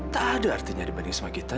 tak ada artinya dibanding sama kita